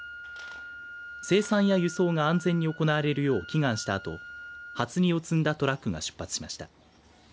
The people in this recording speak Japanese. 生産や輸送が安全に行われるよう祈願したあと初荷を積んだトラックが出発しました。